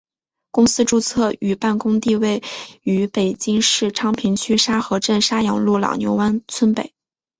公司注册与办公地位于北京市昌平区沙河镇沙阳路老牛湾村北。